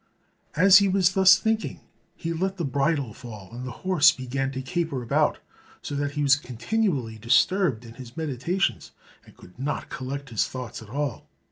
As he was thus thinking he let the bridle fall, and the horse began to caper about, so that he was continually disturbed in his meditations, and could not collect his thoughts at all.